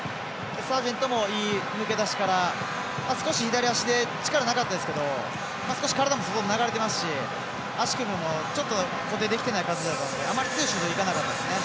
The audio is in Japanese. サージェントもいい抜け出しから少し左足で力、なかったですけど少し体も流れていますし、足首も固定できていない感じだったのであまり強いシュートいかなかったですね。